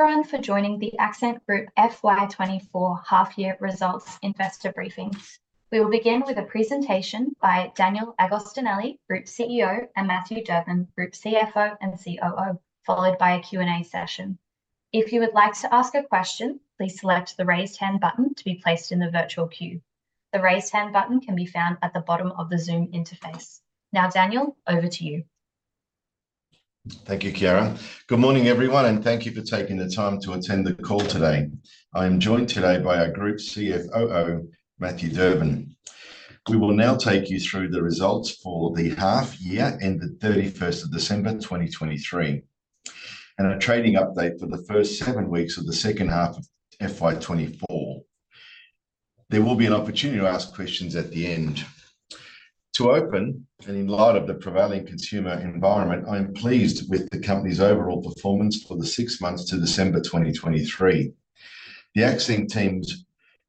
Everyone for joining the Accent Group FY 2024 Half Year Results Investor Briefings. We will begin with a presentation by Daniel Agostinelli, Group CEO, and Matthew Durbin, Group CFO and COO, followed by a Q&A session. If you would like to ask a question, please select the raised hand button to be placed in the virtual queue. The raised hand button can be found at the bottom of the Zoom interface. Now, Daniel, over to you. Thank you, Chiara. Good morning, everyone, and thank you for taking the time to attend the call today. I am joined today by our Group CFO and COO, Matthew Durbin. We will now take you through the results for the half year ended 31 December 2023 and a trading update for the first seven weeks of the second half of FY 2024. There will be an opportunity to ask questions at the end. To open, and in light of the prevailing consumer environment, I am pleased with the company's overall performance for the six months to December 2023. The Accent team's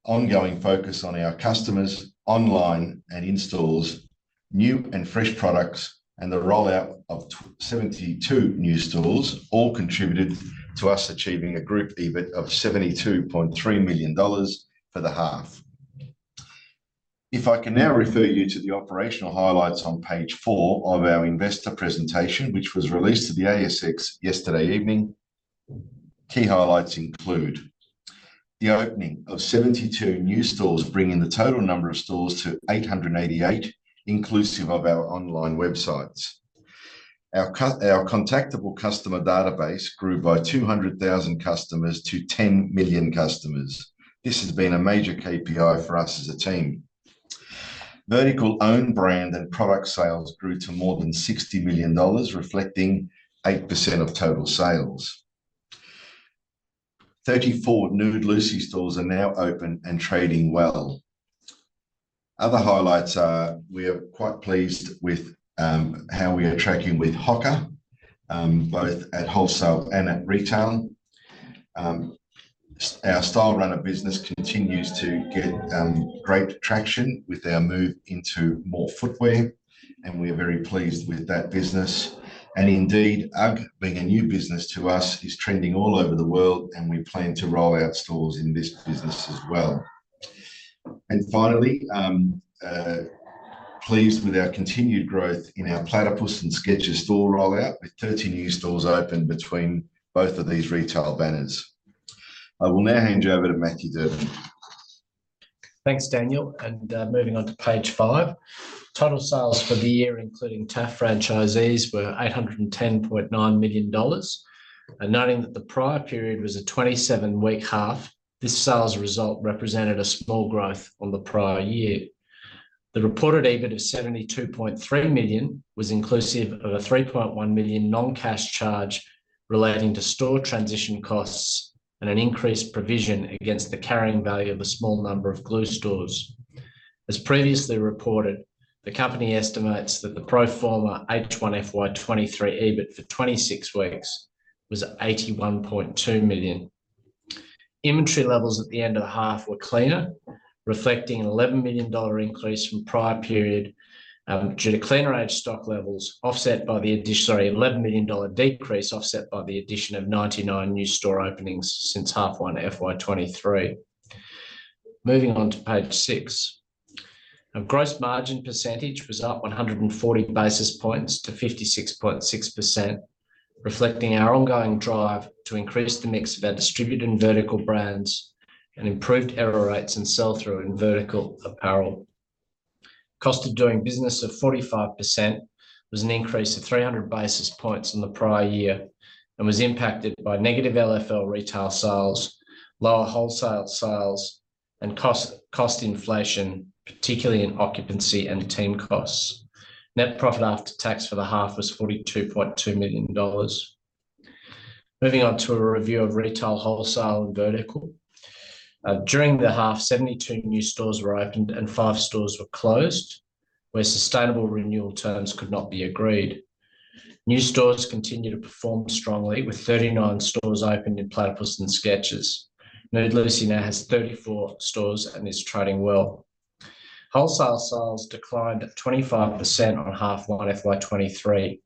ongoing focus on our customers online and in stores, new and fresh products, and the rollout of 72 new stores all contributed to us achieving a group EBIT of 72.3 million dollars for the half. If I can now refer you to the operational highlights on page 4 of our investor presentation, which was released to the ASX yesterday evening, key highlights include: the opening of 72 new stores bringing the total number of stores to 888, inclusive of our online websites. Our contactable customer database grew by 200,000 customers to 10 million customers. This has been a major KPI for us as a team. Vertical owned brand and product sales grew to more than 60 million dollars, reflecting 8% of total sales. 34 Nude Lucy stores are now open and trading well. Other highlights are we are quite pleased with how we are tracking with HOKA, both at wholesale and at retail. Our Stylerunner business continues to get great traction with our move into more footwear, and we are very pleased with that business. Indeed, UGG, being a new business to us, is trending all over the world, and we plan to roll out stores in this business as well. Finally, pleased with our continued growth in our Platypus and Skechers store rollout with 30 new stores open between both of these retail banners. I will now hand you over to Matthew Durbin. Thanks, Daniel. Moving on to page five, total sales for the year, including TAF franchisees, were 810.9 million dollars. Noting that the prior period was a 27-week half, this sales result represented a small growth on the prior year. The reported EBIT of 72.3 million was inclusive of a 3.1 million non-cash charge relating to store transition costs and an increased provision against the carrying value of a small number of Glue stores. As previously reported, the company estimates that the pro forma H1 FY 2023 EBIT for 26 weeks was 81.2 million. Inventory levels at the end of the half were cleaner, reflecting an 11 million dollar decrease from prior period due to cleaner aged stock levels offset by the addition of 99 new store openings since half one FY 2023. Moving on to page six, gross margin percentage was up 140 basis points to 56.6%, reflecting our ongoing drive to increase the mix of our distributed vertical brands and improved error rates and sell-through in vertical apparel. Cost of doing business of 45% was an increase of 300 basis points on the prior year and was impacted by negative LFL retail sales, lower wholesale sales, and cost inflation, particularly in occupancy and team costs. Net profit after tax for the half was 42.2 million dollars. Moving on to a review of retail wholesale and vertical. During the half, 72 new stores were opened and five stores were closed, where sustainable renewal terms could not be agreed. New stores continue to perform strongly, with 39 stores opened in Platypus and Skechers. Nude Lucy now has 34 stores and is trading well. Wholesale sales declined 25% in H1 FY 2023,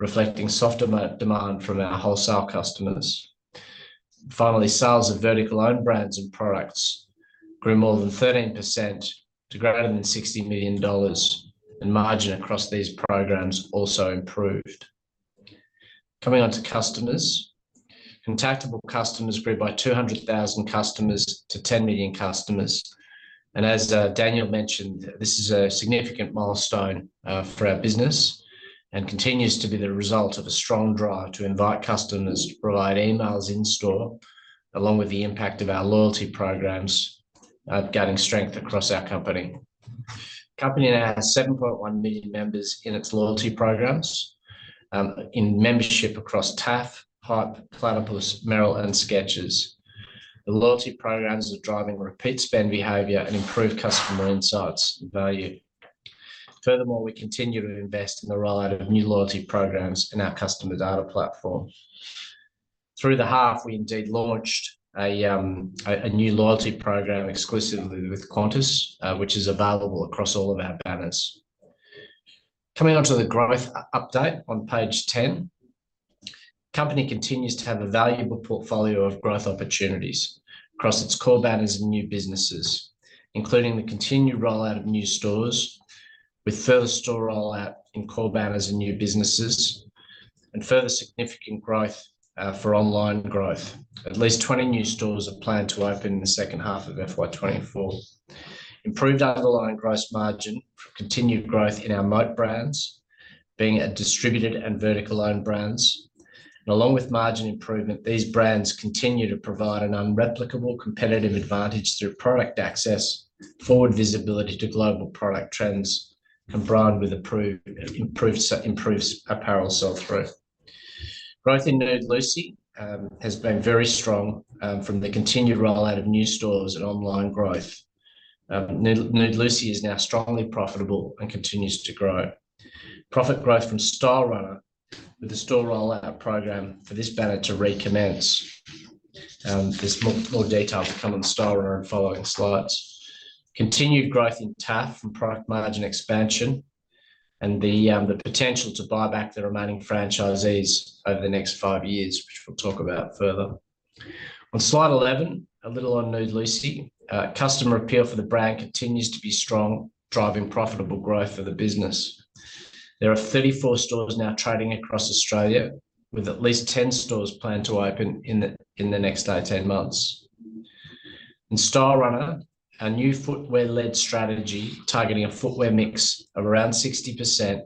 reflecting softer demand from our wholesale customers. Finally, sales of vertical owned brands and products grew more than 13% to greater than AUD 60 million, and margin across these programs also improved. Coming on to customers, contactable customers grew by 200,000 customers to 10 million customers. And as Daniel mentioned, this is a significant milestone for our business and continues to be the result of a strong drive to invite customers to provide emails in store, along with the impact of our loyalty programs gaining strength across our company. Company now has 7.1 million members in its loyalty programs in membership across TAF, Hype DC, Platypus, Merrell, and Skechers. The loyalty programs are driving repeat spend behavior and improved customer insights and value. Furthermore, we continue to invest in the rollout of new loyalty programs in our customer data platform. Through the half, we indeed launched a new loyalty program exclusively with Qantas, which is available across all of our banners. Coming on to the growth update on page 10, company continues to have a valuable portfolio of growth opportunities across its core banners and new businesses, including the continued rollout of new stores with further store rollout in core banners and new businesses and further significant growth for online growth. At least 20 new stores are planned to open in the second half of FY 2024. Improved underlying gross margin from continued growth in our moat brands, being at distributed and vertical owned brands. Along with margin improvement, these brands continue to provide an unreplicable competitive advantage through product access, forward visibility to global product trends, and brand with improved apparel sell-through. Growth in Nude Lucy has been very strong from the continued rollout of new stores and online growth. Nude Lucy is now strongly profitable and continues to grow. Profit growth from Stylerunner with the store rollout program for this banner to recommence. There's more detail to come on Stylerunner in following slides. Continued growth in TAF from product margin expansion and the potential to buy back the remaining franchisees over the next five years, which we'll talk about further. On slide 11, a little on Nude Lucy, customer appeal for the brand continues to be strong, driving profitable growth for the business. There are 34 stores now trading across Australia, with at least 10 stores planned to open in the next 18 months. In Stylerunner, our new footwear-led strategy targeting a footwear mix of around 60%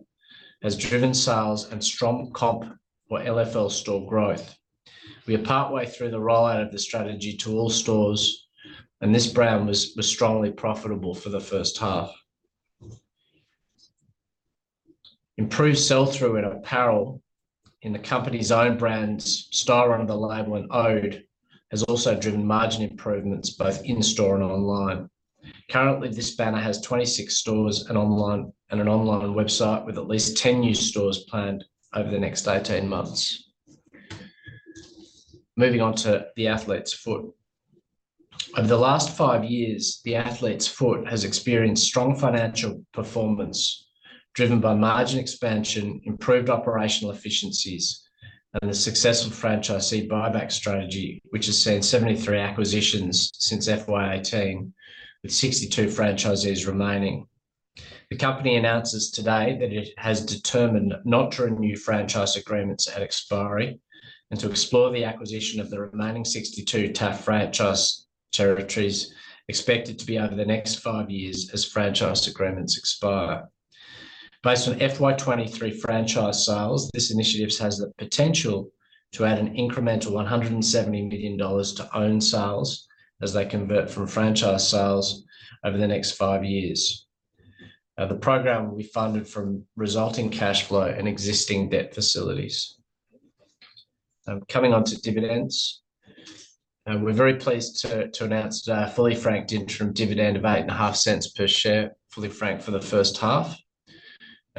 has driven sales and strong comp or LFL store growth. We are partway through the rollout of the strategy to all stores, and this brand was strongly profitable for the first half. Improved sell-through in apparel in the company's own brands, Stylerunner The Label, and Exie has also driven margin improvements both in-store and online. Currently, this banner has 26 stores and an online website with at least 10 new stores planned over the next 18 months. Moving on to The Athlete's Foot. Over the last five years, The Athlete's Foot has experienced strong financial performance driven by margin expansion, improved operational efficiencies, and the successful franchisee buyback strategy, which has seen 73 acquisitions since FY 2018, with 62 franchisees remaining. The company announces today that it has determined not to renew franchise agreements at expiry and to explore the acquisition of the remaining 62 TAF franchise territories expected to be over the next five years as franchise agreements expire. Based on FY 2023 franchise sales, this initiative has the potential to add an incremental 170 million dollars to own sales as they convert from franchise sales over the next five years. The program will be funded from resulting cash flow and existing debt facilities. Coming on to dividends, we're very pleased to announce today a fully franked interim dividend of 0.085 per share, fully franked for the first half.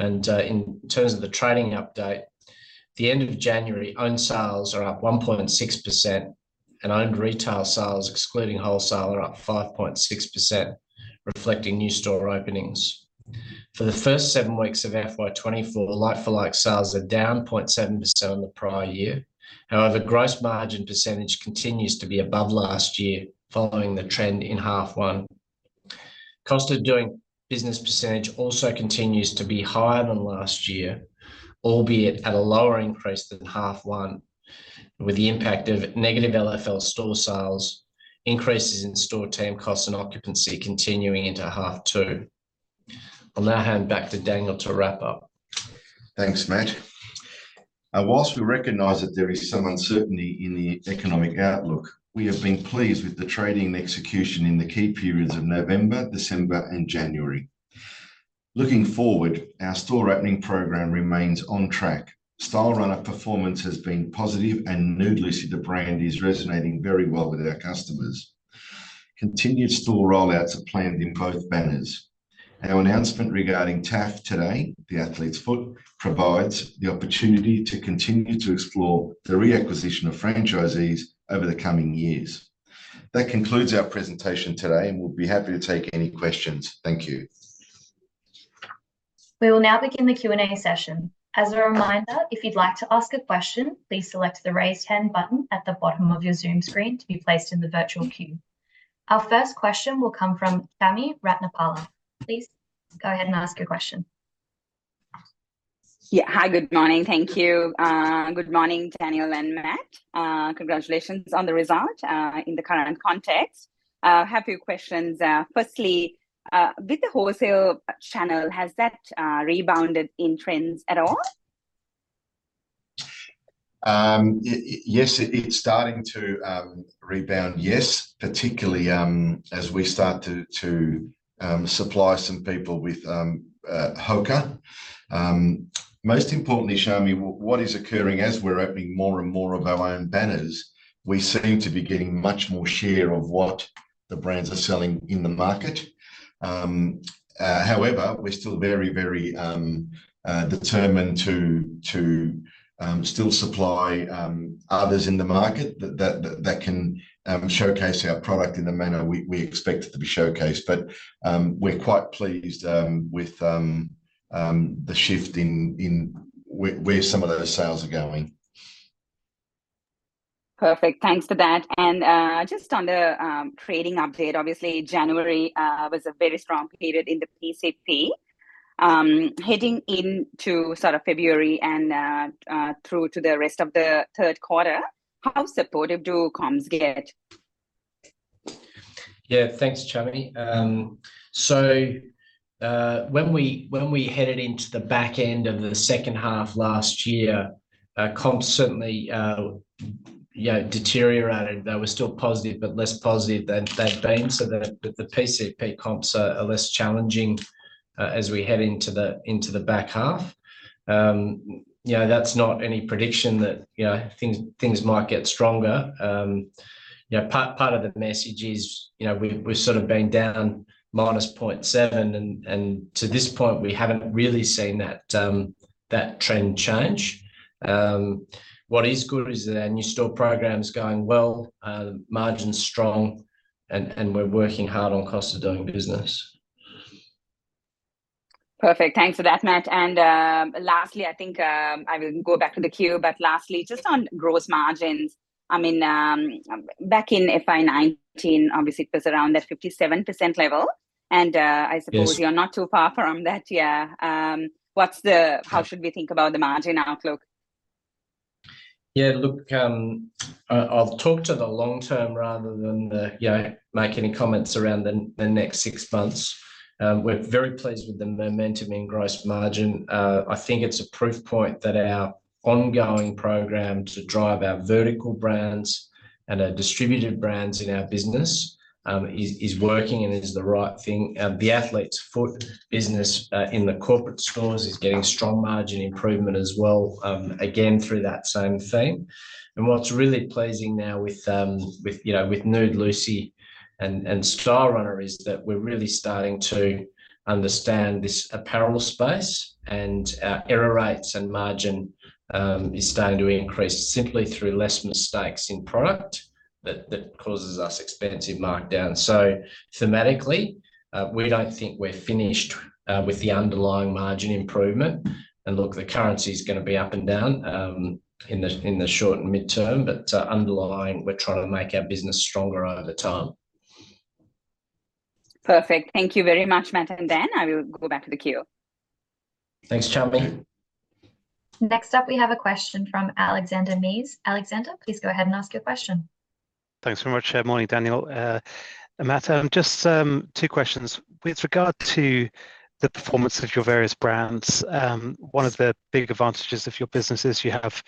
In terms of the trading update, at the end of January, owned sales are up 1.6% and owned retail sales, excluding wholesale, are up 5.6%, reflecting new store openings. For the first seven weeks of FY 2024, like-for-like sales are down 0.7% on the prior year. However, gross margin percentage continues to be above last year following the trend in half one. Cost of doing business percentage also continues to be higher than last year, albeit at a lower increase than half one, with the impact of negative LFL store sales, increases in store team costs, and occupancy continuing into half two. I'll now hand back to Daniel to wrap up. Thanks, Matt. While we recognize that there is some uncertainty in the economic outlook, we have been pleased with the trading and execution in the key periods of November, December, and January. Looking forward, our store opening program remains on track. Stylerunner performance has been positive, and Nude Lucy, the brand, is resonating very well with our customers. Continued store rollouts are planned in both banners. Our announcement regarding TAF today, the Athlete's Foot, provides the opportunity to continue to explore the reacquisition of franchisees over the coming years. That concludes our presentation today, and we'll be happy to take any questions. Thank you. We will now begin the Q&A session. As a reminder, if you'd like to ask a question, please select the raise hand button at the bottom of your Zoom screen to be placed in the virtual queue. Our first question will come from Chami Ratnapala. Please go ahead and ask your question. Yeah. Hi. Good morning. Thank you. Good morning, Daniel and Matt. Congratulations on the result in the current context. I have a few questions. Firstly, with the wholesale channel, has that rebounded in trends at all? Yes, it's starting to rebound, yes, particularly as we start to supply some people with HOKA. Most importantly, Chami, what is occurring as we're opening more and more of our own banners, we seem to be getting much more share of what the brands are selling in the market. However, we're still very, very determined to still supply others in the market that can showcase our product in the manner we expect it to be showcased. But we're quite pleased with the shift in where some of those sales are going. Perfect. Thanks for that. Just on the trading update, obviously, January was a very strong period in the PCP. Heading into sort of February and through to the rest of the third quarter, how supportive do comms get? Yeah. Thanks, Chami. So when we headed into the back end of the second half last year, comps certainly deteriorated. They were still positive but less positive than they'd been. So the PCP comps are less challenging as we head into the back half. That's not any prediction that things might get stronger. Part of the message is we've sort of been down minus 0.7, and to this point, we haven't really seen that trend change. What is good is that our new store program's going well, margins strong, and we're working hard on cost of doing business. Perfect. Thanks for that, Matt. And lastly, I think I will go back to the queue. But lastly, just on gross margins, I mean, back in FY 2019, obviously, it was around that 57% level. And I suppose you're not too far from that. Yeah. How should we think about the margin outlook? Yeah. Look, I'll talk to the long term rather than make any comments around the next six months. We're very pleased with the momentum in gross margin. I think it's a proof point that our ongoing program to drive our vertical brands and our distributed brands in our business is working and is the right thing. The Athlete's Foot business in the corporate stores is getting strong margin improvement as well, again, through that same theme. And what's really pleasing now with Nude Lucy and Stylerunner is that we're really starting to understand this apparel space, and our error rates and margin is starting to increase simply through less mistakes in product that causes us expensive markdown. So thematically, we don't think we're finished with the underlying margin improvement. And look, the currency is going to be up and down in the short and mid-term. But underlying, we're trying to make our business stronger over time. Perfect. Thank you very much, Matt and Dan. I will go back to the queue. Thanks, Chami. Next up, we have a question from Alexander Mees. Alexander, please go ahead and ask your question. Thanks very much. Good morning, Daniel. Matt, two questions. With regard to the performance of your various brands, one of the big advantages of your business is you have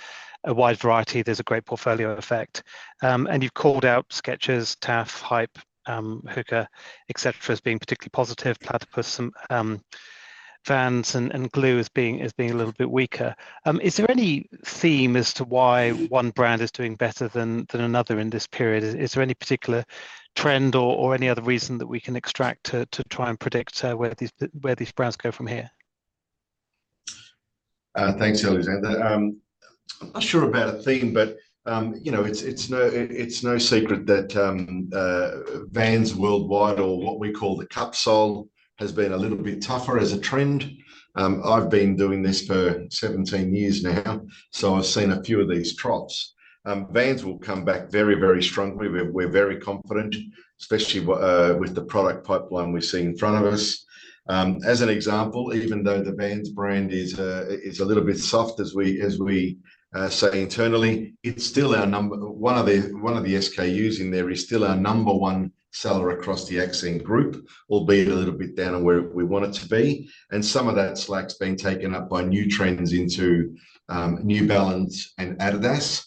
a wide variety. There's a great portfolio effect. You've called out Skechers, TAF, Hype DC, HOKA, etc., as being particularly positive. Platypus, Vans, and Glue as being a little bit weaker. Is there any theme as to why one brand is doing better than another in this period? Is there any particular trend or any other reason that we can extract to try and predict where these brands go from here? Thanks, Alexander. I'm not sure about a theme, but it's no secret that Vans worldwide or what we call the cupsole has been a little bit tougher as a trend. I've been doing this for 17 years now, so I've seen a few of these troughs. Vans will come back very, very strongly. We're very confident, especially with the product pipeline we see in front of us. As an example, even though the Vans brand is a little bit soft, as we say internally, it's still our number one of the SKUs in there. It's still our number one seller across the Accent Group, albeit a little bit down where we want it to be. And some of that slack's been taken up by new trends into New Balance and Adidas.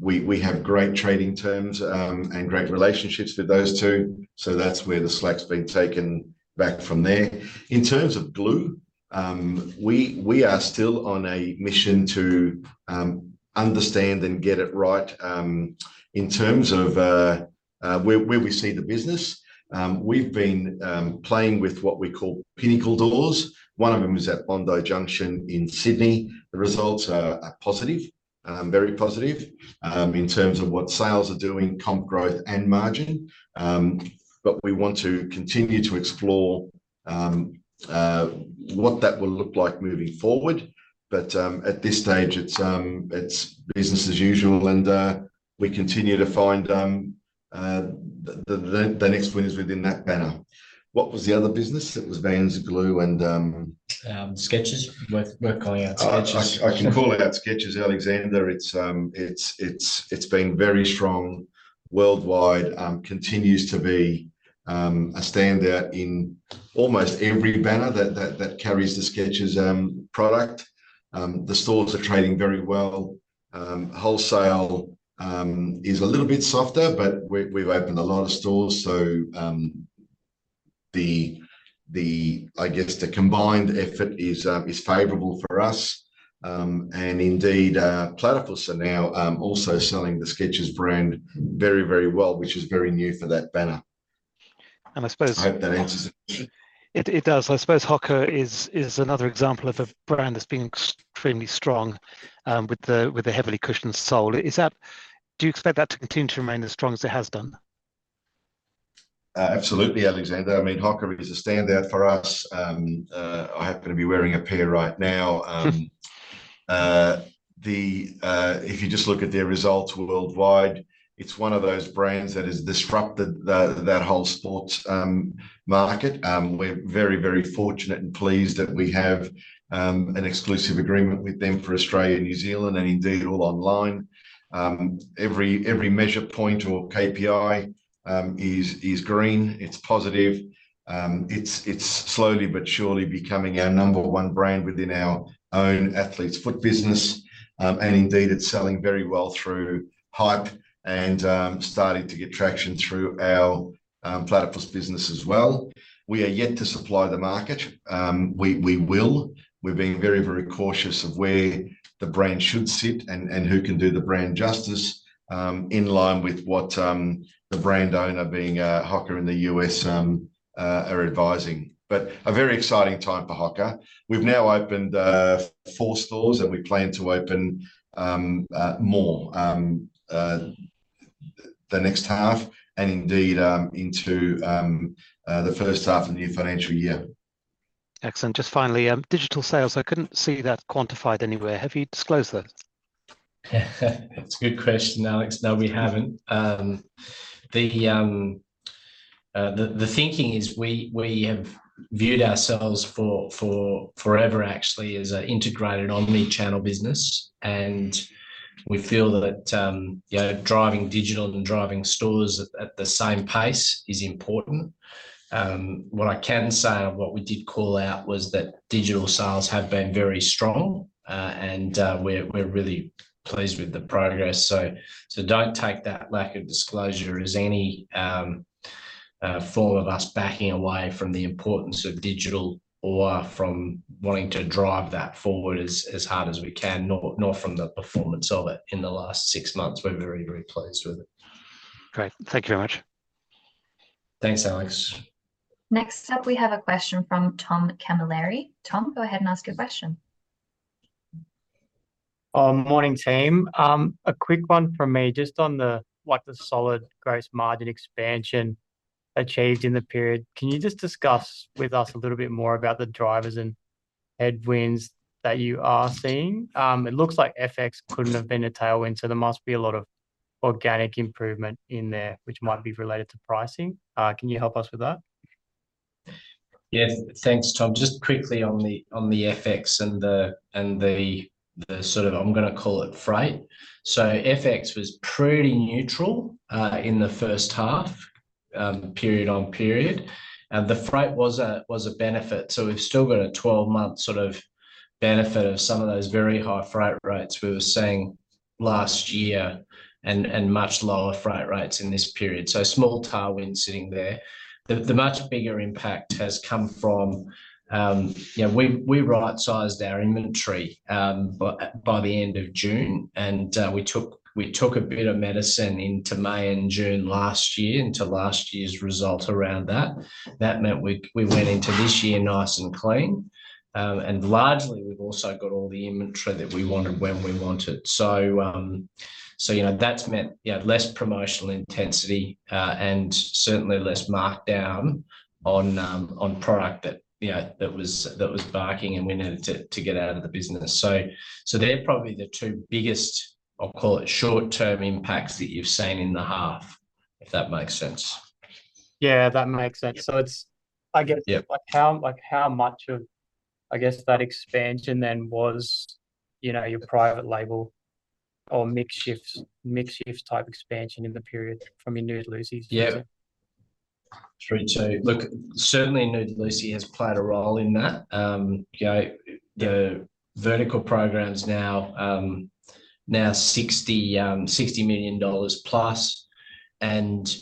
We have great trading terms and great relationships with those two. So that's where the slack's been taken back from there. In terms of Glue, we are still on a mission to understand and get it right in terms of where we see the business. We've been playing with what we call pinnacle doors. One of them is at Bondi Junction in Sydney. The results are positive, very positive, in terms of what sales are doing, comp growth, and margin. But we want to continue to explore what that will look like moving forward. But at this stage, it's business as usual, and we continue to find the next winners within that banner. What was the other business? It was Vans, Glue, and. Skechers. We're calling out Skechers. I can call out Skechers, Alexander. It's been very strong worldwide, continues to be a standout in almost every banner that carries the Skechers product. The stores are trading very well. Wholesale is a little bit softer, but we've opened a lot of stores. So I guess the combined effort is favorable for us. And indeed, Platypus are now also selling the Skechers brand very, very well, which is very new for that banner. I suppose. I hope that answers the question. It does. I suppose HOKA is another example of a brand that's been extremely strong with a heavily cushioned sole. Do you expect that to continue to remain as strong as it has done? Absolutely, Alexander. I mean, HOKA is a standout for us. I happen to be wearing a pair right now. If you just look at their results worldwide, it's one of those brands that has disrupted that whole sports market. We're very, very fortunate and pleased that we have an exclusive agreement with them for Australia and New Zealand and indeed all online. Every measure point or KPI is green. It's positive. It's slowly but surely becoming our number one brand within our own Athlete's Foot business. And indeed, it's selling very well through Hype DC and starting to get traction through our Platypus business as well. We are yet to supply the market. We will. We're being very, very cautious of where the brand should sit and who can do the brand justice in line with what the brand owner, being HOKA in the U.S., are advising. A very exciting time for HOKA. We've now opened four stores, and we plan to open more the next half and indeed into the first half of the new financial year. Excellent. Just finally, digital sales. I couldn't see that quantified anywhere. Have you disclosed that? That's a good question, Alex. No, we haven't. The thinking is we have viewed ourselves forever, actually, as an integrated omnichannel business. We feel that driving digital and driving stores at the same pace is important. What I can say of what we did call out was that digital sales have been very strong, and we're really pleased with the progress. Don't take that lack of disclosure as any form of us backing away from the importance of digital or from wanting to drive that forward as hard as we can, nor from the performance of it in the last six months. We're very, very pleased with it. Great. Thank you very much. Thanks, Alex. Next up, we have a question from Tom Camilleri. Tom, go ahead and ask your question. Morning, team. A quick one from me, just on what the solid gross margin expansion achieved in the period. Can you just discuss with us a little bit more about the drivers and headwinds that you are seeing? It looks like FX couldn't have been a tailwind, so there must be a lot of organic improvement in there, which might be related to pricing. Can you help us with that? Yes. Thanks, Tom. Just quickly on the FX and the sort of, I'm going to call it, freight. So FX was pretty neutral in the first half, period on period. The freight was a benefit. So we've still got a 12-month sort of benefit of some of those very high freight rates we were seeing last year and much lower freight rates in this period. So small tailwind sitting there. The much bigger impact has come from we right-sized our inventory by the end of June, and we took a bit of medicine into May and June last year, into last year's result around that. That meant we went into this year nice and clean. And largely, we've also got all the inventory that we wanted when we wanted. So that's meant less promotional intensity and certainly less markdown on product that was barking, and we needed to get out of the business. So they're probably the two biggest, I'll call it, short-term impacts that you've seen in the half, if that makes sense. Yeah, that makes sense. So I guess how much of, I guess, that expansion then was your private label or mix-shift type expansion in the period from your Nude Lucy's? Yeah. three, two. Look, certainly, Nude Lucy has played a role in that. The vertical program's now AUD 60 million+. And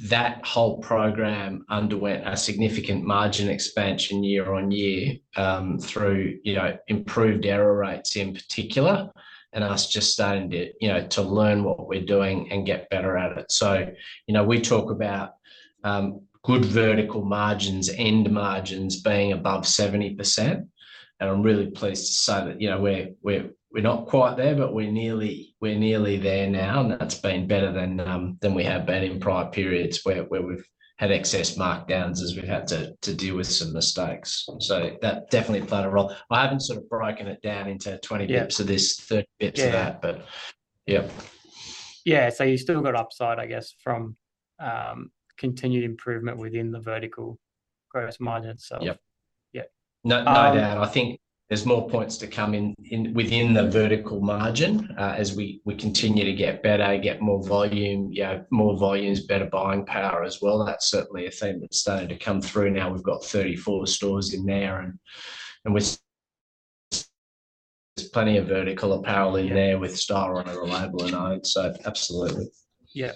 that whole program underwent a significant margin expansion year on year through improved error rates in particular, and us just starting to learn what we're doing and get better at it. So we talk about good vertical margins, end margins being above 70%. And I'm really pleased to say that we're not quite there, but we're nearly there now, and that's been better than we have been in prior periods where we've had excess markdowns as we've had to deal with some mistakes. So that definitely played a role. I haven't sort of broken it down into 20 bips of this, 30 bips of that, but yeah. Yeah. So you've still got upside, I guess, from continued improvement within the vertical gross margin itself? Yep. No doubt. I think there's more points to come in within the vertical margin as we continue to get better, get more volume, more volumes, better buying power as well. That's certainly a theme that's starting to come through now. We've got 34 stores in there, and there's plenty of vertical apparel in there with Stylerunner label and own. So absolutely. Yeah.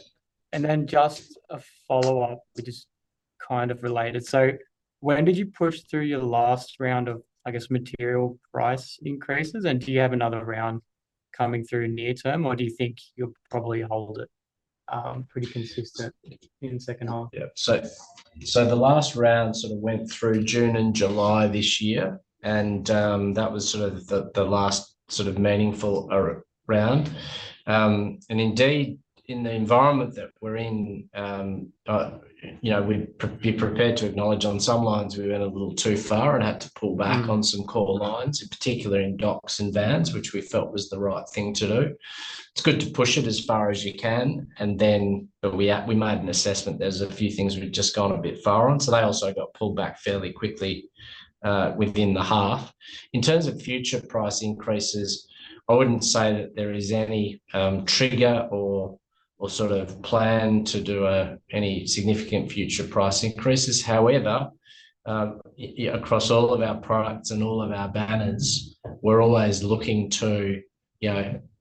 And then just a follow-up, which is kind of related. So when did you push through your last round of, I guess, material price increases? And do you have another round coming through near term, or do you think you'll probably hold it pretty consistent in the second half? Yeah. So the last round sort of went through June and July this year, and that was sort of the last sort of meaningful round. And indeed, in the environment that we're in, be prepared to acknowledge on some lines, we went a little too far and had to pull back on some core lines, in particular in Docs and Vans, which we felt was the right thing to do. It's good to push it as far as you can. But we made an assessment. There's a few things we've just gone a bit far on. So they also got pulled back fairly quickly within the half. In terms of future price increases, I wouldn't say that there is any trigger or sort of plan to do any significant future price increases. However, across all of our products and all of our banners, we're always looking to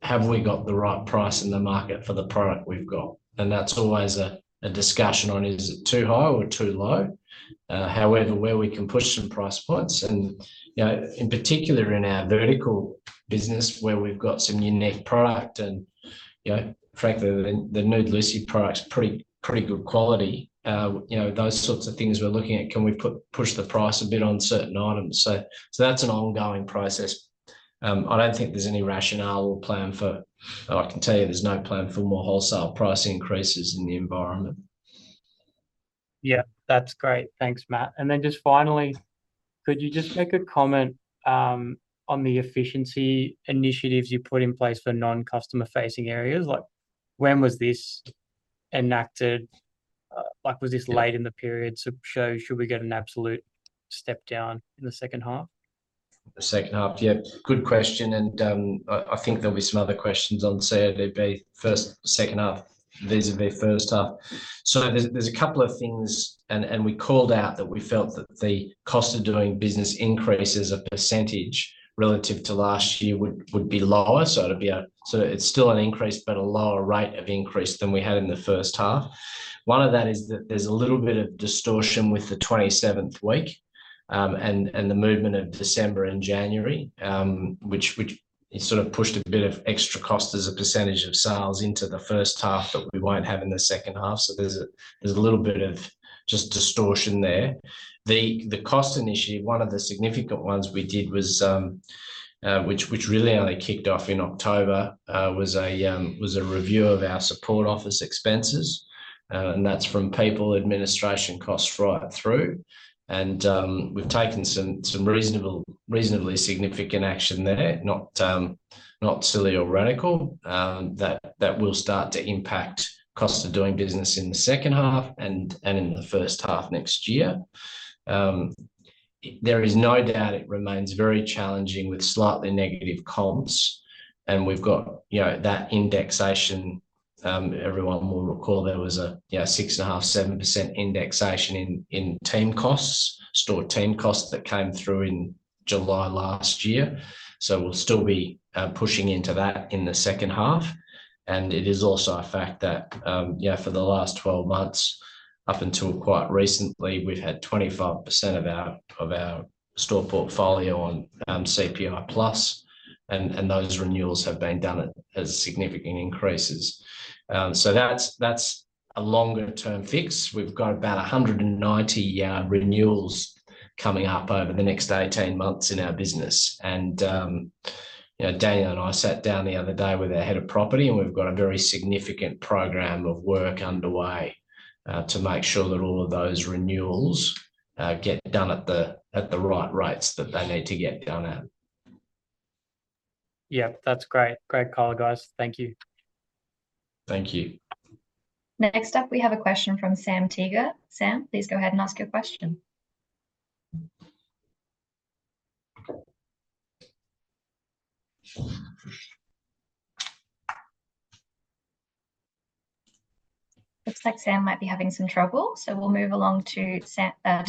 have we got the right price in the market for the product we've got? And that's always a discussion on is it too high or too low? However, where we can push some price points. And in particular, in our vertical business, where we've got some unique product and, frankly, the Nude Lucy product's pretty good quality, those sorts of things we're looking at, can we push the price a bit on certain items? So that's an ongoing process. I don't think there's any rationale or plan for I can tell you there's no plan for more wholesale price increases in the environment. Yeah. That's great. Thanks, Matt. And then just finally, could you just make a comment on the efficiency initiatives you put in place for non-customer-facing areas? When was this enacted? Was this late in the period to show, should we get an absolute step down in the second half? The second half, yeah. Good question. And I think there'll be some other questions on CODB, first, second half, vis-a-vis first half. So there's a couple of things, and we called out that we felt that the cost of doing business increases a percentage relative to last year would be lower. So it'd be a sort of it's still an increase, but a lower rate of increase than we had in the first half. One of that is that there's a little bit of distortion with the 27th week and the movement of December and January, which sort of pushed a bit of extra cost as a percentage of sales into the first half that we won't have in the second half. So there's a little bit of just distortion there. The cost initiative, one of the significant ones we did, which really only kicked off in October, was a review of our support office expenses. And that's from people administration costs right through. And we've taken some reasonably significant action there, not silly or radical, that will start to impact costs of doing business in the second half and in the first half next year. There is no doubt it remains very challenging with slightly negative comps. And we've got that indexation. Everyone will recall there was a 6.5%-7% indexation in team costs, store team costs that came through in July last year. So we'll still be pushing into that in the second half. It is also a fact that for the last 12 months, up until quite recently, we've had 25% of our store portfolio on CPI-plus, and those renewals have been done as significant increases. So that's a longer-term fix. We've got about 190 renewals coming up over the next 18 months in our business. And Daniel and I sat down the other day with our head of property, and we've got a very significant program of work underway to make sure that all of those renewals get done at the right rates that they need to get done at. Yep. That's great. Great call, guys. Thank you. Thank you. Next up, we have a question from Sam Teager. Sam, please go ahead and ask your question. Looks like Sam might be having some trouble, so we'll move along to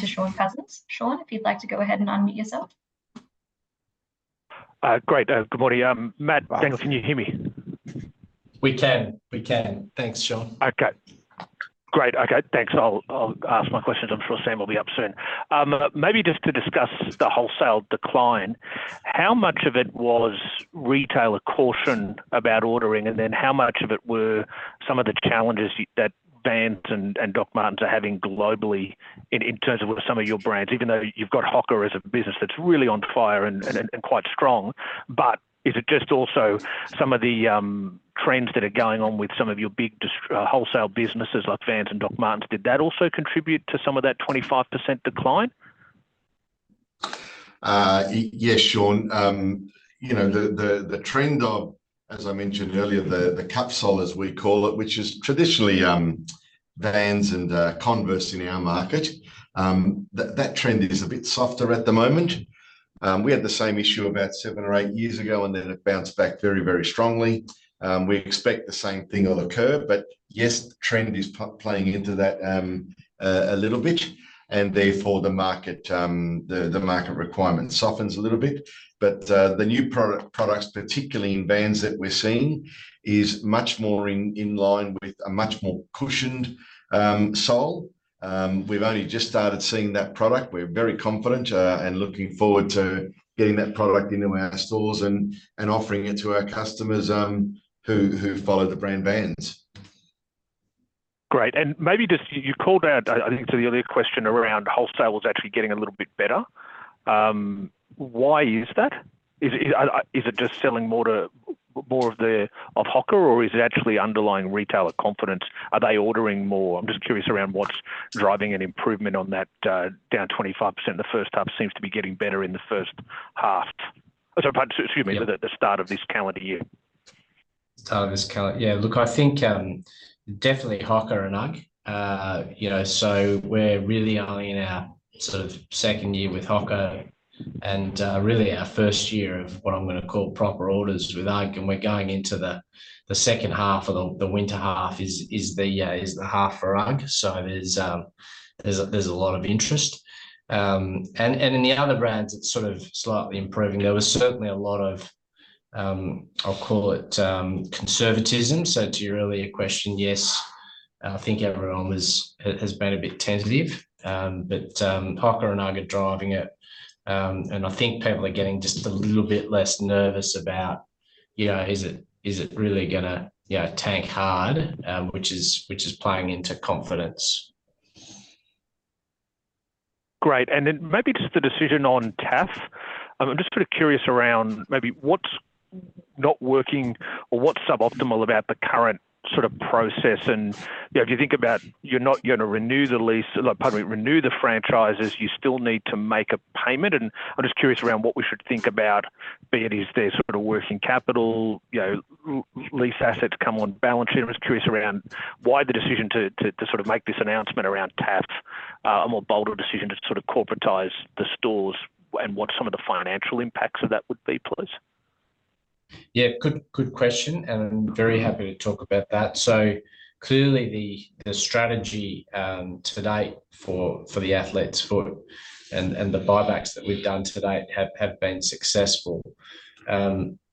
Shaun Cousins. Shaun, if you'd like to go ahead and unmute yourself. Great. Good morning. Matt, Daniel, can you hear me? We can. We can. Thanks, Shaun. Okay. Great. Okay. Thanks. I'll ask my questions. I'm sure Sam will be up soon. Maybe just to discuss the wholesale decline, how much of it was retailer caution about ordering, and then how much of it were some of the challenges that Vans and Dr. Martens are having globally in terms of some of your brands, even though you've got HOKA as a business that's really on fire and quite strong? But is it just also some of the trends that are going on with some of your big wholesale businesses like Vans and Dr. Martens? Did that also contribute to some of that 25% decline? Yes, Shaun. The trend of, as I mentioned earlier, the cupsole, we call it, which is traditionally Vans and Converse in our market, that trend is a bit softer at the moment. We had the same issue about seven or eight years ago, and then it bounced back very, very strongly. We expect the same thing will occur. But yes, the trend is playing into that a little bit, and therefore, the market requirement softens a little bit. But the new products, particularly in Vans that we're seeing, is much more in line with a much more cushioned sole. We've only just started seeing that product. We're very confident and looking forward to getting that product into our stores and offering it to our customers who follow the brand Vans. Great. And maybe just you called out, I think, to the earlier question around wholesale was actually getting a little bit better. Why is that? Is it just selling more of HOKA, or is it actually underlying retailer confidence? Are they ordering more? I'm just curious around what's driving an improvement on that down 25% in the first half seems to be getting better in the first half sorry, excuse me, the start of this calendar year. The start of this year. Look, I think definitely HOKA and UGG. So we're really only in our sort of second year with HOKA and really our first year of what I'm going to call proper orders with UGG. And we're going into the second half of the winter half is the half for UGG. So there's a lot of interest. And in the other brands, it's sort of slightly improving. There was certainly a lot of, I'll call it, conservatism. So to your earlier question, yes, I think everyone has been a bit tentative. But HOKA and UGG are driving it. And I think people are getting just a little bit less nervous about, is it really going to tank hard, which is playing into confidence. Great. And then maybe just the decision on TAF. I'm just sort of curious around maybe what's not working or what's suboptimal about the current sort of process. And if you think about you're not going to renew the lease, pardon me, renew the franchises, you still need to make a payment. And I'm just curious around what we should think about, be it is there sort of working capital, lease assets come on balance sheet. I'm just curious around why the decision to sort of make this announcement around TAF, a more bolder decision to sort of corporatize the stores, and what some of the financial impacts of that would be, please? Yeah. Good question. And I'm very happy to talk about that. So clearly, the strategy to date for The Athlete's Foot and the buybacks that we've done to date have been successful.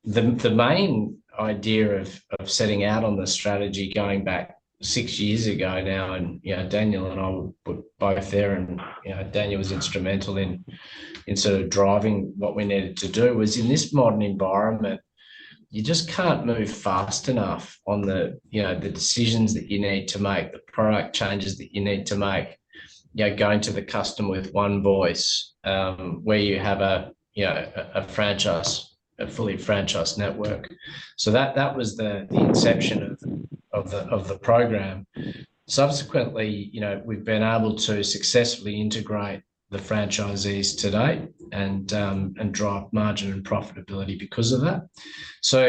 The main idea of setting out on the strategy going back six years ago now, and Daniel and I were both there, and Daniel was instrumental in sort of driving what we needed to do, was in this modern environment, you just can't move fast enough on the decisions that you need to make, the product changes that you need to make, going to the customer with one voice where you have a franchise, a fully franchised network. So that was the inception of the program. Subsequently, we've been able to successfully integrate the franchisees to date and drive margin and profitability because of that. So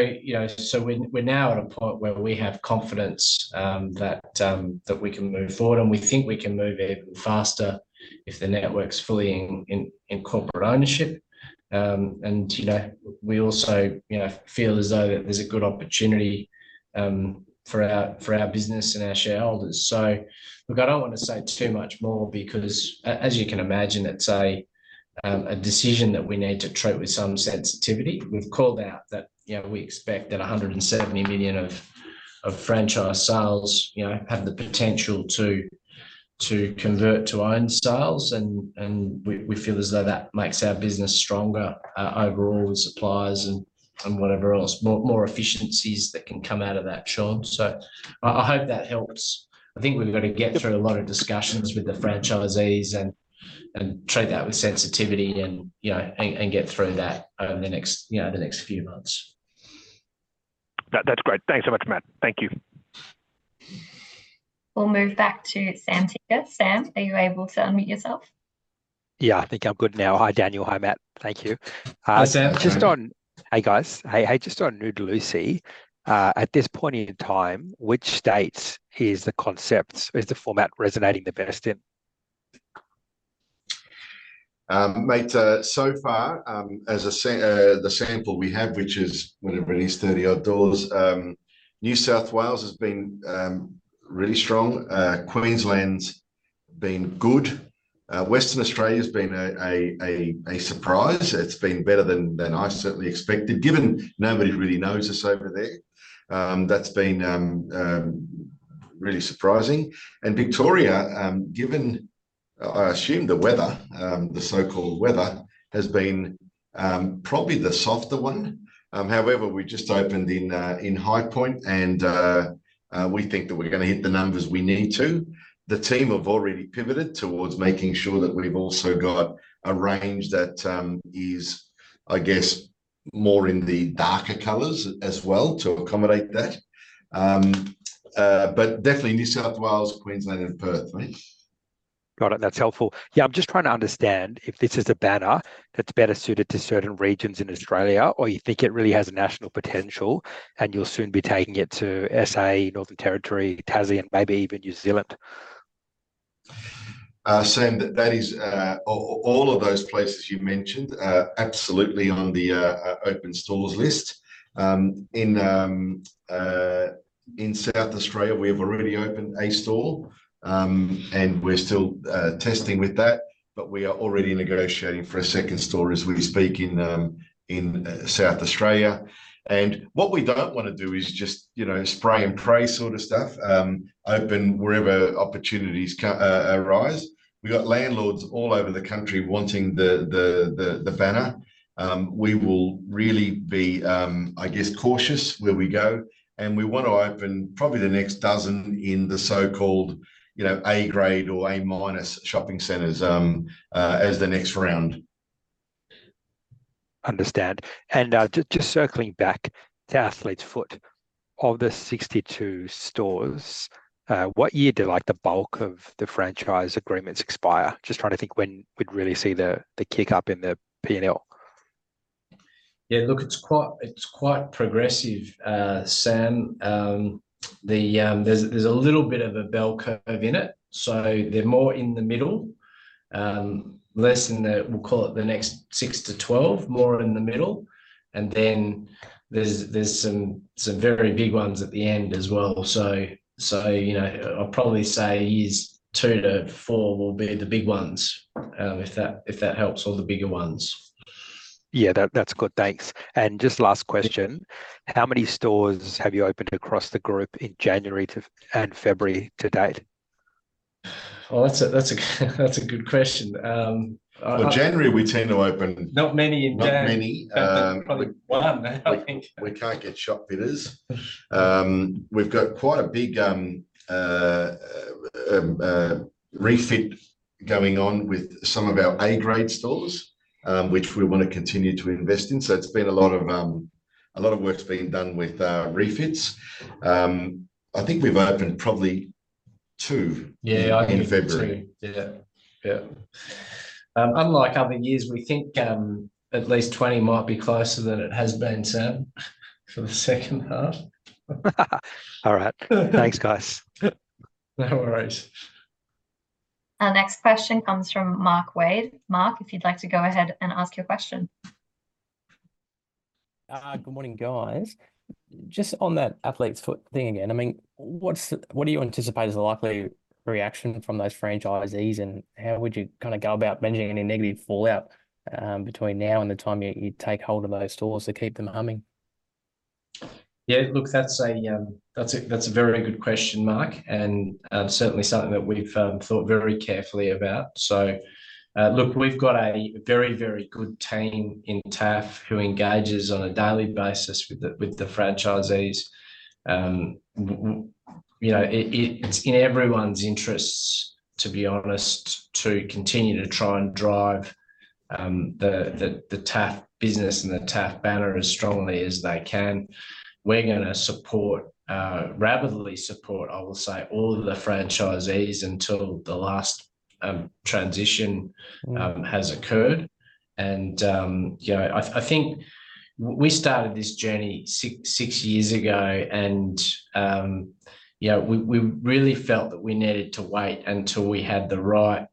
we're now at a point where we have confidence that we can move forward, and we think we can move even faster if the network's fully in corporate ownership. And we also feel as though that there's a good opportunity for our business and our shareholders. So look, I don't want to say too much more because, as you can imagine, it's a decision that we need to treat with some sensitivity. We've called out that we expect that 170 million of franchise sales have the potential to convert to owned sales. And we feel as though that makes our business stronger overall with suppliers and whatever else, more efficiencies that can come out of that, Shaun. So I hope that helps. I think we've got to get through a lot of discussions with the franchisees and treat that with sensitivity and get through that over the next few months. That's great. Thanks so much, Matt. Thank you. We'll move back to Sam Teeger. Sam, are you able to unmute yourself? Yeah. I think I'm good now. Hi, Daniel. Hi, Matt. Thank you. Hi, Sam. Hey, guys. Hey, just on Nude Lucy, at this point in time, which states is the concept, is the format resonating the best in? Mate, so far, as the sample we have, which is whenever it is, 30-odd doors, New South Wales has been really strong. Queensland's been good. Western Australia's been a surprise. It's been better than I certainly expected, given nobody really knows us over there. That's been really surprising. And Victoria, given, I assume, the weather, the so-called weather, has been probably the softer one. However, we just opened in Highpoint, and we think that we're going to hit the numbers we need to. The team have already pivoted towards making sure that we've also got a range that is, I guess, more in the darker colors as well to accommodate that. But definitely New South Wales, Queensland, and Perth, mate. Got it. That's helpful. Yeah. I'm just trying to understand if this is a banner that's better suited to certain regions in Australia, or you think it really has a national potential, and you'll soon be taking it to SA, Northern Territory, Tassie, and maybe even New Zealand. Sam, all of those places you mentioned, absolutely on the open stores list. In South Australia, we have already opened a store, and we're still testing with that. But we are already negotiating for a second store as we speak in South Australia. And what we don't want to do is just spray and pray sort of stuff, open wherever opportunities arise. We've got landlords all over the country wanting the banner. We will really be, I guess, cautious where we go. And we want to open probably the next dozen in the so-called A-grade or A-minus shopping centres as the next round. Understand. And just circling back to The Athlete's Foot, of the 62 stores, what year do the bulk of the franchise agreements expire? Just trying to think when we'd really see the kick-up in the P&L. Yeah. Look, it's quite progressive, Sam. There's a little bit of a bell curve in it. So they're more in the middle, less in the, we'll call it, the next 6-12, more in the middle. And then there's some very big ones at the end as well. So I'll probably say years 2-4 will be the big ones, if that helps all the bigger ones. Yeah. That's good. Thanks. Just last question. How many stores have you opened across the group in January and February to date? Well, that's a good question. Well, January, we tend to open. Not many in January. Not many. Probably one, I think. We can't get shop fitters. We've got quite a big refit going on with some of our A-grade stores, which we want to continue to invest in. So it's been a lot of work is being done with refits. I think we've opened probably two in February. Yeah. I think two. Yeah. Yeah. Unlike other years, we think at least 20 might be closer than it has been, Sam, for the second half. All right. Thanks, guys. No worries. Next question comes from Mark Wade. Mark, if you'd like to go ahead and ask your question. Good morning, guys. Just on that Athlete's Foot thing again, I mean, what do you anticipate as a likely reaction from those franchisees, and how would you kind of go about managing any negative fallout between now and the time you take hold of those stores to keep them humming? Yeah. Look, that's a very good question, Mark, and certainly something that we've thought very carefully about. So look, we've got a very, very good team in TAF who engages on a daily basis with the franchisees. It's in everyone's interests, to be honest, to continue to try and drive the TAF business and the TAF banner as strongly as they can. We're going to rapidly support, I will say, all of the franchisees until the last transition has occurred. I think we started this journey six years ago, and we really felt that we needed to wait until we had the right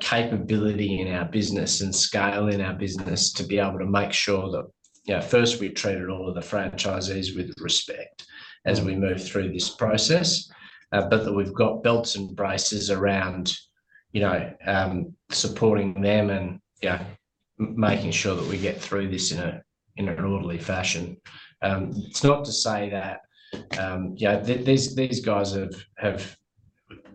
capability in our business and scale in our business to be able to make sure that first, we treated all of the franchisees with respect as we move through this process, but that we've got belts and braces around supporting them and making sure that we get through this in an orderly fashion. It's not to say that these guys have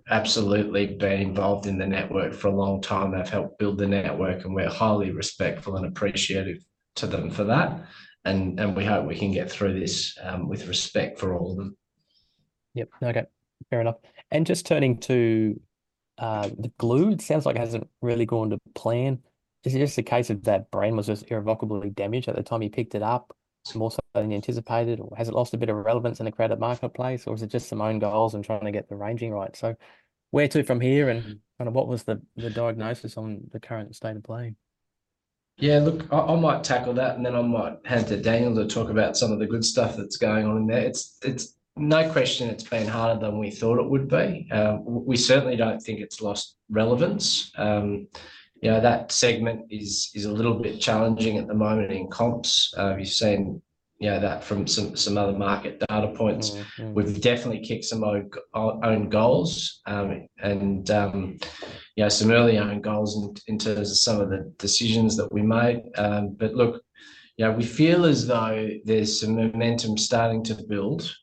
absolutely been involved in the network for a long time. They've helped build the network, and we're highly respectful and appreciative to them for that. We hope we can get through this with respect for all of them. Yep. Okay. Fair enough. And just turning to the Glue, it sounds like it hasn't really gone to plan. Is it just a case of that brand was just irrevocably damaged at the time you picked it up, more so than you anticipated, or has it lost a bit of relevance in the crowded marketplace, or is it just some own goals and trying to get the ranging right? So where to from here, and kind of what was the diagnosis on the current state of play? Yeah. Look, I might tackle that, and then I might hand to Daniel to talk about some of the good stuff that's going on in there. No question, it's been harder than we thought it would be. We certainly don't think it's lost relevance. That segment is a little bit challenging at the moment in comps. You've seen that from some other market data points. We've definitely kicked some own goals and some early own goals in terms of some of the decisions that we made. But look, we feel as though there's some momentum starting to build.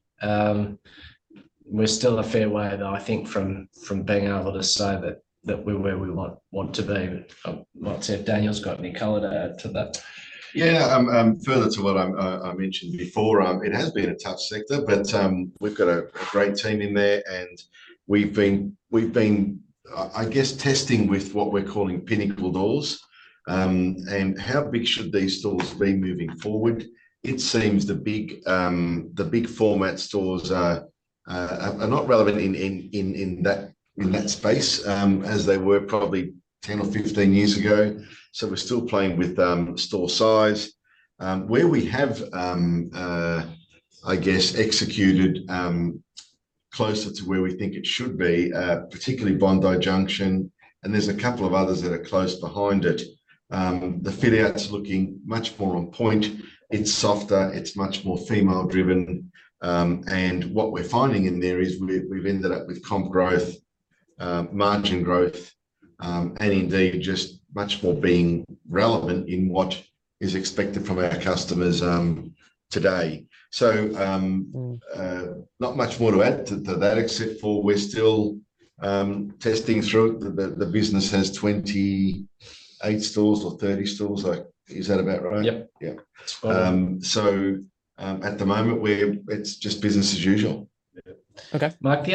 We're still a fair way though, I think, from being able to say that we're where we want to be. I'm not sure if Daniel's got any color to that. Yeah. Further to what I mentioned before, it has been a tough sector, but we've got a great team in there. And we've been, I guess, testing with what we're calling pinnacle doors. And how big should these stores be moving forward? It seems the big format stores are not relevant in that space as they were probably 10 or 15 years ago. So we're still playing with store size. Where we have, I guess, executed closer to where we think it should be, particularly Bondi Junction, and there's a couple of others that are close behind it, the fit-out's looking much more on point. It's softer. It's much more female-driven. And what we're finding in there is we've ended up with comp growth, margin growth, and indeed just much more being relevant in what is expected from our customers today. Not much more to add to that except for we're still testing through it. The business has 28 stores or 30 stores. Is that about right? Yep. Yep. So at the moment, it's just business as usual. Yeah. Mark,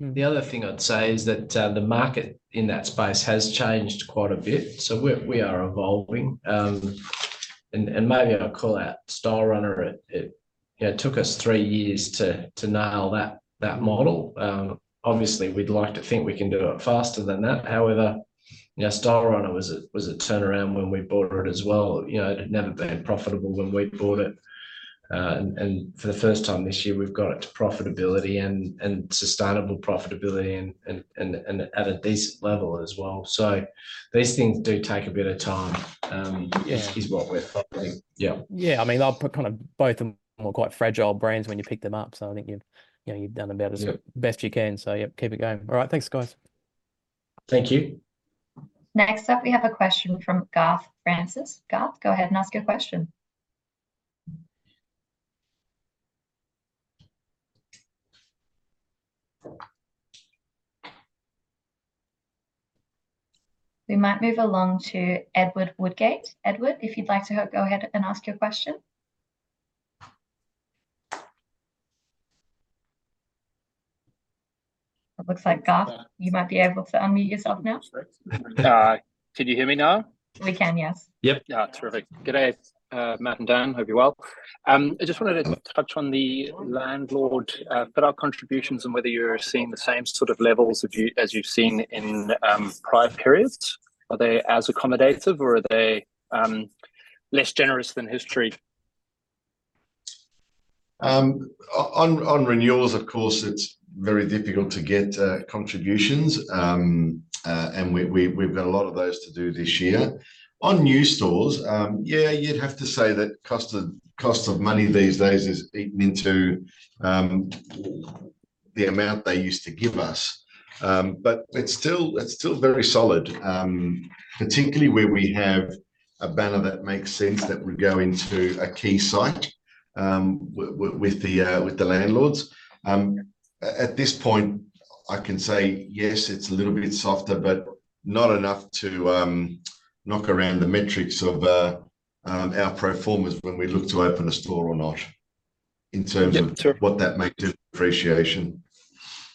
the other thing I'd say is that the market in that space has changed quite a bit. So we are evolving. And maybe I'll call out Stylerunner. It took us three years to nail that model. Obviously, we'd like to think we can do it faster than that. However, Stylerunner was a turnaround when we bought it as well. It had never been profitable when we bought it. And for the first time this year, we've got it to profitability and sustainable profitability and at a decent level as well. So these things do take a bit of time is what we're finding. Yeah. Yeah. I mean, I'll put kind of both of them were quite fragile brands when you picked them up. So I think you've done about as best you can. So yeah, keep it going. All right. Thanks, guys. Thank you. Next up, we have a question from Garth Francis. Garth, go ahead and ask your question. We might move along to Edward Woodgate. Edward, if you'd like to go ahead and ask your question. It looks like Garth, you might be able to unmute yourself now. Can you hear me now? We can, yes. Yep. Terrific. Good day. Matt and Dan, hope you're well. I just wanted to touch on the landlord fit-out contributions and whether you're seeing the same sort of levels as you've seen in prior periods. Are they as accommodative, or are they less generous than history? On renewals, of course, it's very difficult to get contributions. We've got a lot of those to do this year. On new stores, yeah, you'd have to say that cost of money these days is eaten into the amount they used to give us. But it's still very solid, particularly where we have a banner that makes sense that we go into a key site with the landlords. At this point, I can say, yes, it's a little bit softer, but not enough to knock around the metrics of our performers when we look to open a store or not in terms of what that may do to appreciation.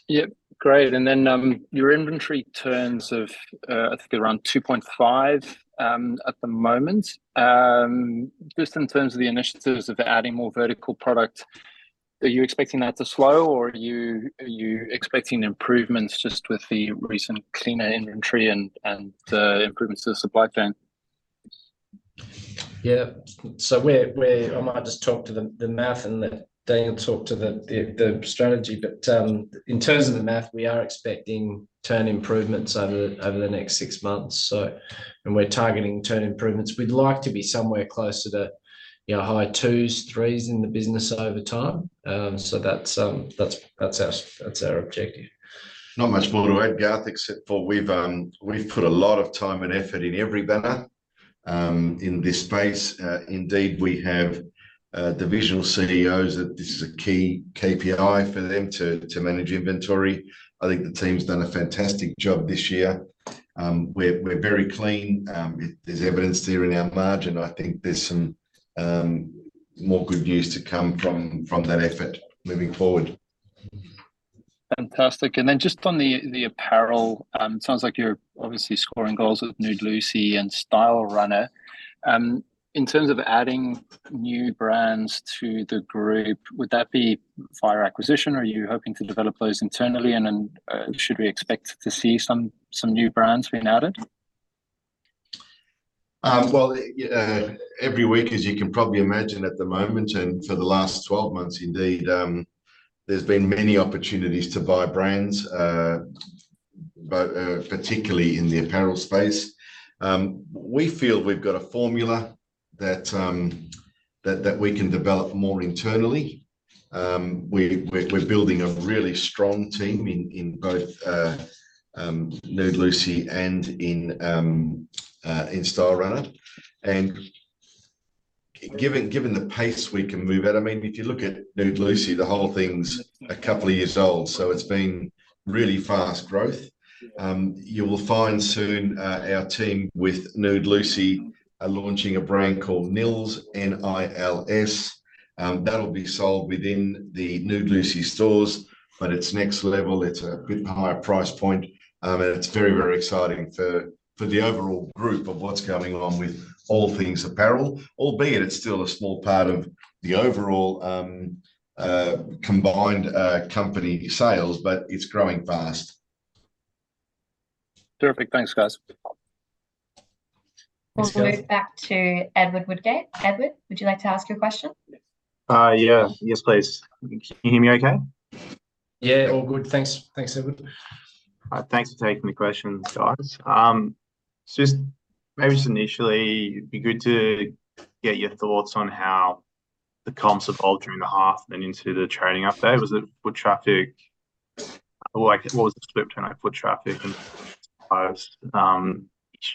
Yep. Great. And then your inventory turns of, I think, around 2.5 at the moment. Just in terms of the initiatives of adding more vertical product, are you expecting that to slow, or are you expecting improvements just with the recent cleaner inventory and improvements to the supply chain? Yeah. So I might just talk to the math and let Daniel talk to the strategy. But in terms of the math, we are expecting turn improvements over the next six months, and we're targeting turn improvements. We'd like to be somewhere closer to high 2s, 3s in the business over time. So that's our objective. Not much more to add, Garth, except for we've put a lot of time and effort in every banner in this space. Indeed, we have divisional CEOs that this is a key KPI for them to manage inventory. I think the team's done a fantastic job this year. We're very clean. There's evidence there in our margin. I think there's some more good news to come from that effort moving forward. Fantastic. And then just on the apparel, it sounds like you're obviously scoring goals with Nude Lucy and Stylerunner. In terms of adding new brands to the group, would that be via acquisition, or are you hoping to develop those internally, and should we expect to see some new brands being added? Well, every week, as you can probably imagine at the moment, and for the last 12 months, indeed, there's been many opportunities to buy brands, particularly in the apparel space. We feel we've got a formula that we can develop more internally. We're building a really strong team in both Nude Lucy and in Stylerunner. And given the pace we can move at, I mean, if you look at Nude Lucy, the whole thing's a couple of years old. So it's been really fast growth. You will find soon our team with Nude Lucy launching a brand called NiLS. That'll be sold within the Nude Lucy stores, but it's next level. It's a bit higher price point. It's very, very exciting for the overall group of what's going on with all things apparel, albeit it's still a small part of the overall combined company sales, but it's growing fast. Terrific. Thanks, guys. We'll move back to Edward Woodgate. Edward, would you like to ask your question? Yeah. Yes, please. Can you hear me okay? Yeah. All good. Thanks, Edward. Thanks for taking the question, guys. Maybe just initially, it'd be good to get your thoughts on how the comps evolved during the half and then into the trading update. Was it foot traffic? What was the sweep turnaround foot traffic? And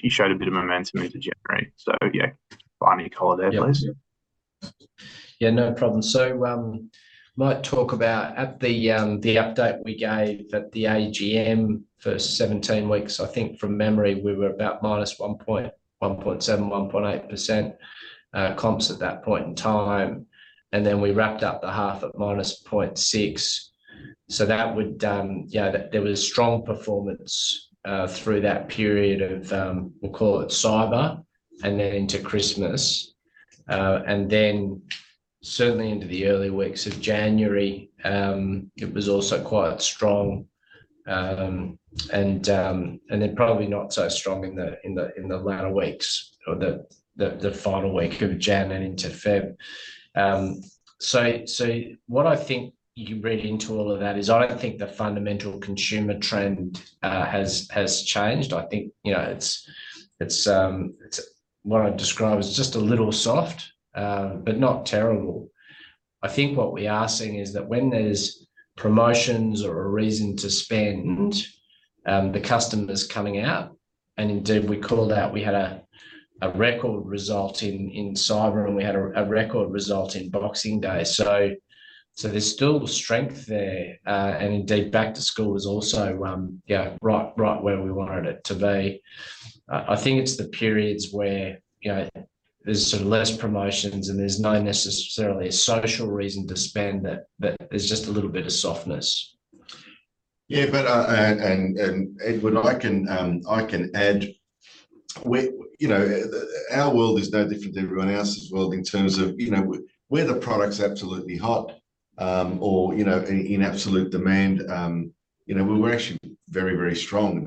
you showed a bit of momentum into January. So yeah, can you find any color there, please? Yeah. No problem. So I might talk about at the update we gave at the AGM for 17 weeks. I think from memory, we were about 1.7%-1.8% comps at that point in time. And then we wrapped up the half at 0.6%. So there was strong performance through that period of we'll call it Cyber and then into Christmas. And then certainly into the early weeks of January, it was also quite strong and then probably not so strong in the latter weeks or the final week of January and into February. So what I think you can read into all of that is I don't think the fundamental consumer trend has changed. I think it's what I describe as just a little soft but not terrible. I think what we are seeing is that when there's promotions or a reason to spend, the customer's coming out. And indeed, we called out we had a record result in Cyber, and we had a record result in Boxing Days. So there's still strength there. And indeed, Back to School was also right where we wanted it to be. I think it's the periods where there's sort of less promotions, and there's not necessarily a social reason to spend. There's just a little bit of softness. Yeah. And Edward, I can add. Our world is no different to everyone else's world in terms of where the product's absolutely hot or in absolute demand, we're actually very, very strong.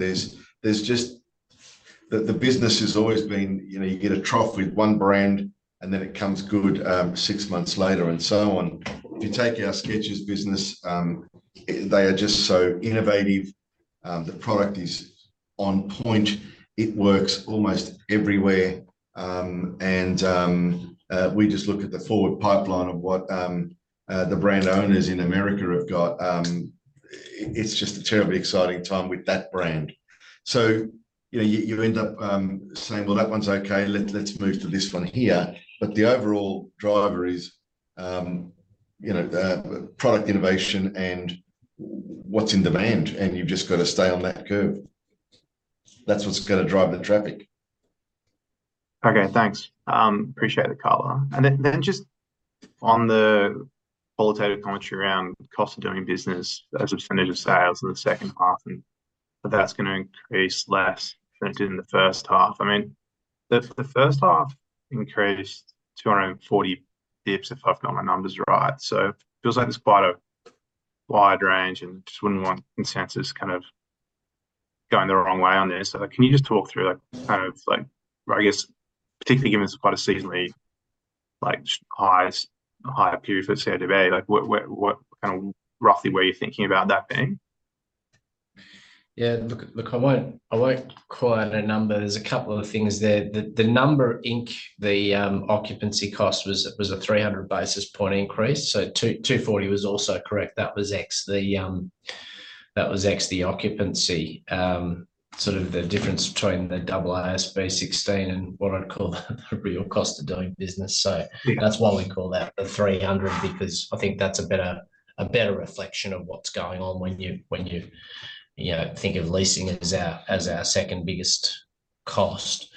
The business has always been you get a trough with one brand, and then it comes good six months later and so on. If you take our Skechers business, they are just so innovative. The product is on point. It works almost everywhere. And we just look at the forward pipeline of what the brand owners in America have got. It's just a terribly exciting time with that brand. So you end up saying, "Well, that one's okay. Let's move to this one here." But the overall driver is product innovation and what's in demand. And you've just got to stay on that curve. That's what's going to drive the traffic. Okay. Thanks. Appreciate the color. And then just on the qualitative commentary around cost of doing business as a percentage of sales in the second half, that's going to increase less than it did in the first half. I mean, the first half increased 240 basis points if I've got my numbers right. So it feels like there's quite a wide range, and I just wouldn't want consensus kind of going the wrong way on this. Can you just talk through kind of, I guess, particularly given it's quite a seasonally higher period for CODB? Kind of roughly where you're thinking about that being? Yeah. Look, I won't call out a number. There's a couple of things there. The number inc., the occupancy cost was a 300 basis point increase. So 240 was also correct. That was ex. That was ex, the occupancy, sort of the difference between the AASB 16 and what I'd call the real cost of doing business. So that's why we call that the 300 because I think that's a better reflection of what's going on when you think of leasing as our second biggest cost.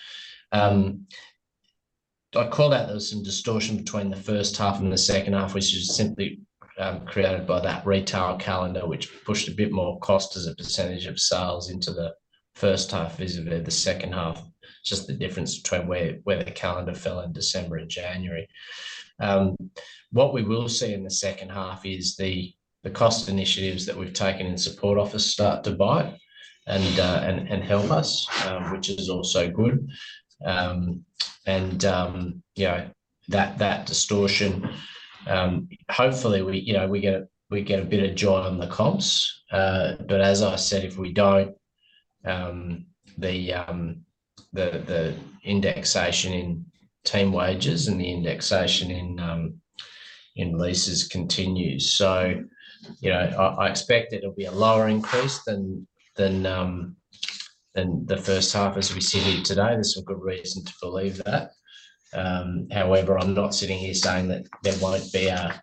I call out there was some distortion between the first half and the second half, which was simply created by that retail calendar, which pushed a bit more cost as a percentage of sales into the first half vis-a-vis the second half. It's just the difference between where the calendar fell in December and January. What we will see in the second half is the cost initiatives that we've taken in support office start to bite and help us, which is also good. That distortion, hopefully, we get a bit of joy on the comps. As I said, if we don't, the indexation in team wages and the indexation in leases continues. I expect it'll be a lower increase than the first half as we sit here today. There's some good reason to believe that. However, I'm not sitting here saying that there won't be a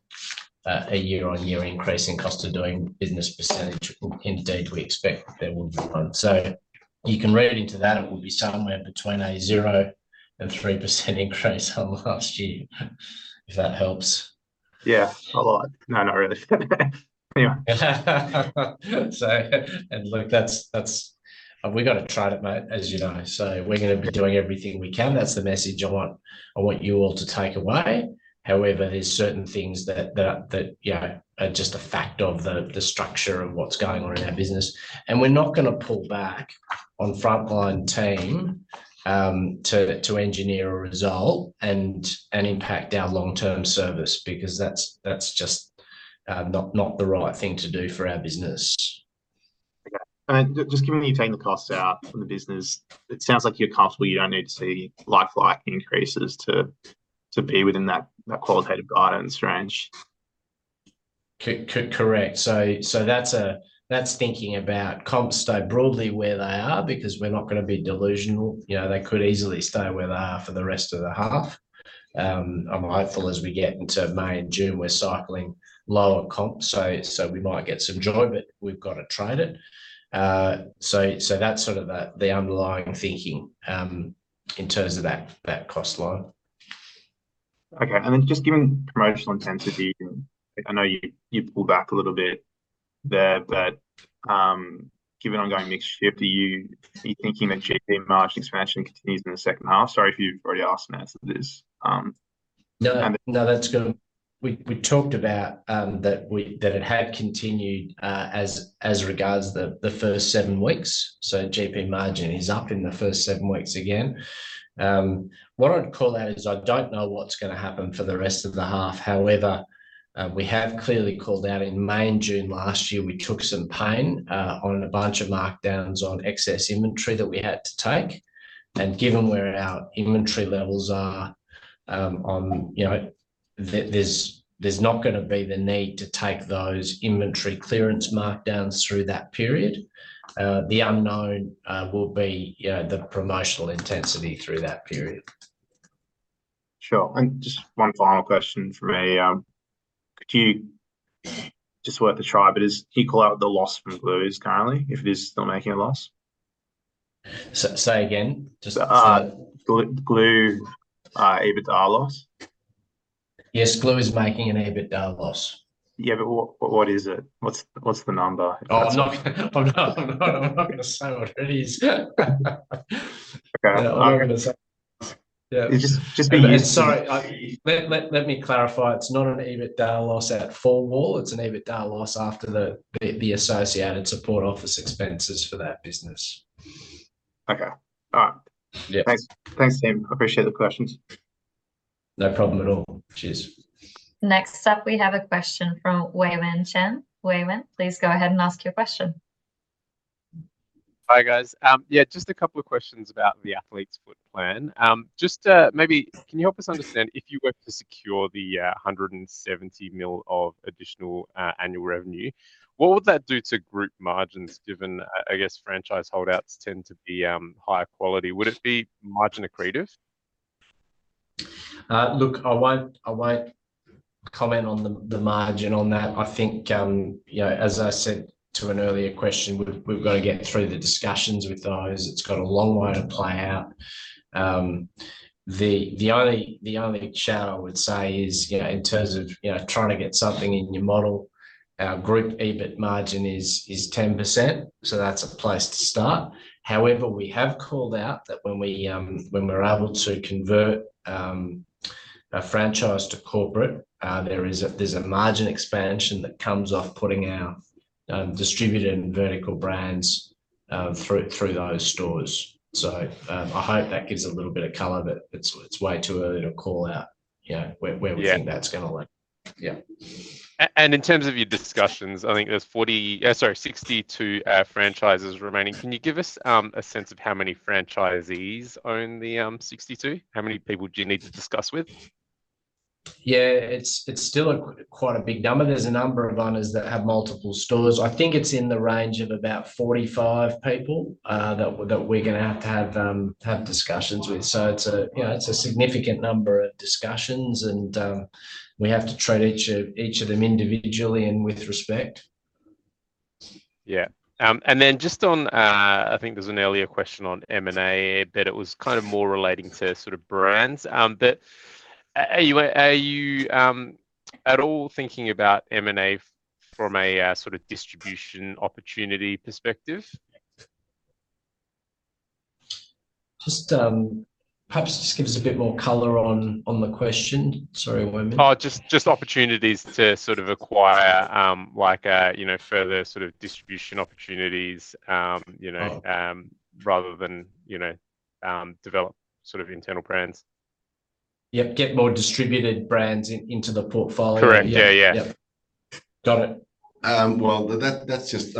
year-on-year increase in cost of doing business percentage. Indeed, we expect there will be one. You can read into that. It will be somewhere between 0% and 3% increase on last year, if that helps. Yeah. No, not really. Anyway. Look, we've got to try it, mate, as you know. So we're going to be doing everything we can. That's the message I want you all to take away. However, there's certain things that are just a fact of the structure of what's going on in our business. And we're not going to pull back on frontline team to engineer a result and impact our long-term service because that's just not the right thing to do for our business. Okay. And just given you're taking the costs out from the business, it sounds like you're comfortable you don't need to see like-for-like increases to be within that qualitative guidance range. Correct. So that's thinking about comps stay broadly where they are because we're not going to be delusional. They could easily stay where they are for the rest of the half. I'm hopeful as we get into May and June, we're cycling lower comps. So we might get some joy, but we've got to trade it. So that's sort of the underlying thinking in terms of that cost line. Okay. And then just given promotional intensity, I know you pulled back a little bit there, but given ongoing mixed shift, are you thinking that GP margin expansion continues in the second half? Sorry if you've already asked Matthew this. No, that's good. We talked about that it had continued as regards the first seven weeks. So GP margin is up in the first seven weeks again. What I'd call out is I don't know what's going to happen for the rest of the half. However, we have clearly called out in May and June last year, we took some pain on a bunch of markdowns on excess inventory that we had to take. And given where our inventory levels are, there's not going to be the need to take those inventory clearance markdowns through that period. The unknown will be the promotional intensity through that period. Sure. And just one final question for me. Could you just walk me through, but does he call out the loss from Glue's currently, if it is still making a loss? Say again? Glue EBITDA loss? Yes, Glue is making an EBITDA loss. Yeah, but what is it? What's the number? Oh, I'm not going to say what it is. Okay. I'm not going to say. Sorry, let me clarify. It's not an EBITDA loss at full whack. It's an EBITDA loss after the associated support office expenses for that business. Okay. All right. Thanks, Tim. Appreciate the questions. No problem at all. Cheers. Next up, we have a question from Wei-Wern Chen. Wei-Wern, please go ahead and ask your question. Hi, guys. Yeah, just a couple of questions about the Athlete's Foot plan. Can you help us understand if you were to secure 170 million of additional annual revenue, what would that do to group margins given, I guess, franchise holdouts tend to be higher quality? Would it be margin accretive? Look, I won't comment on the margin on that. I think, as I said to an earlier question, we've got to get through the discussions with those. It's got a long way to play out. The only chat I would say is in terms of trying to get something in your model, our group EBIT margin is 10%. So that's a place to start. However, we have called out that when we're able to convert a franchise to corporate, there's a margin expansion that comes off putting our distributed and vertical brands through those stores. So I hope that gives a little bit of color, but it's way too early to call out where we think that's going to lead. Yeah. And in terms of your discussions, I think there's 40, sorry, 62 franchises remaining. Can you give us a sense of how many franchisees own the 62? How many people do you need to discuss with? Yeah, it's still quite a big number. There's a number of owners that have multiple stores. I think it's in the range of about 45 people that we're going to have to have discussions with. So it's a significant number of discussions, and we have to treat each of them individually and with respect. Yeah. Then just on, I think there's an earlier question on M&A, but it was kind of more relating to sort of brands. But are you at all thinking about M&A from a sort of distribution opportunity perspective? Perhaps just give us a bit more color on the question. Sorry, Wei-Wern. Oh, just opportunities to sort of acquire further sort of distribution opportunities rather than develop sort of internal brands. Yep. Get more distributed brands into the portfolio. Correct. Yeah, yeah. Got it. Well, that's just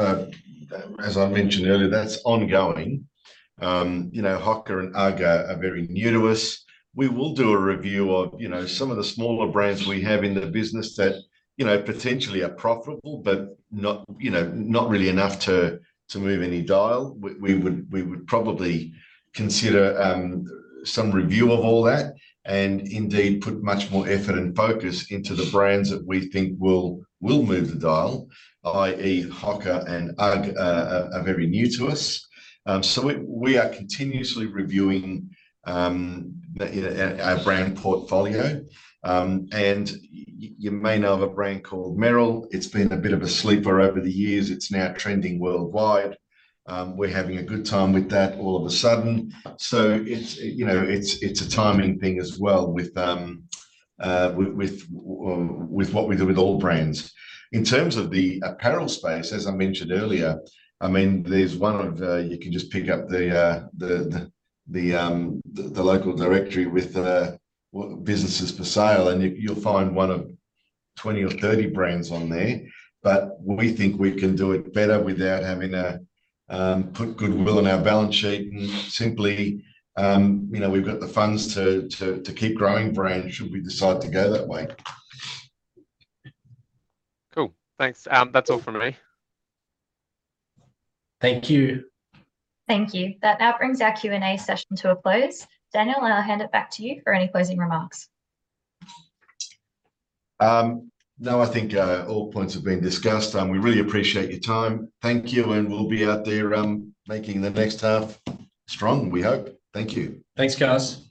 as I mentioned earlier, that's ongoing. HOKA and UGG are very new to us. We will do a review of some of the smaller brands we have in the business that potentially are profitable but not really enough to move any dial. We would probably consider some review of all that and indeed put much more effort and focus into the brands that we think will move the dial, i.e., HOKA and UGG are very new to us. So we are continuously reviewing our brand portfolio. And you may know of a brand called Merrell. It's been a bit of a sleeper over the years. It's now trending worldwide. We're having a good time with that all of a sudden. So it's a timing thing as well with what we do with all brands. In terms of the apparel space, as I mentioned earlier, I mean, there's one you can just pick up the local directory with businesses for sale, and you'll find one of 20 or 30 brands on there. But we think we can do it better without having to put goodwill on our balance sheet, and simply, we've got the funds to keep growing brands should we decide to go that way. Cool. Thanks. That's all from me. Thank you. Thank you. That now brings our Q&A session to a close. Daniel, I'll hand it back to you for any closing remarks. No, I think all points have been discussed. We really appreciate your time. Thank you, and we'll be out there making the next half strong, we hope. Thank you. Thanks, guys.